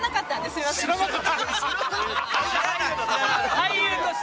いち俳優として。